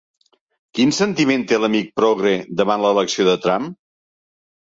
Quin sentiment té l'amic progre davant l'elecció de Trump?